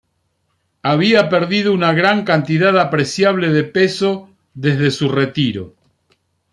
Había perdido una gran cantidad apreciable de peso desde su retiro.